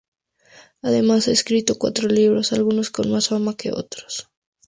Además, ha escrito cuatro libros, algunos con más fama que otros.